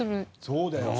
そうだよ。